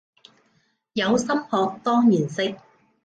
有心學當然識